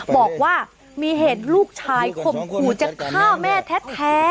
บอกว่ามีเหตุลูกชายข่มขู่จะฆ่าแม่แท้